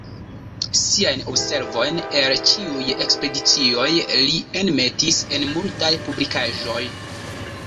Siajn observojn el ĉiuj ekspedicioj li enmetis en multaj publikaĵoj.